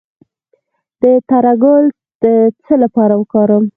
د تره ګل د څه لپاره وکاروم؟